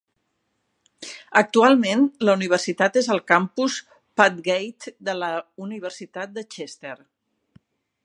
Actualment la universitat és el campus Padgate de la Universitat de Chester.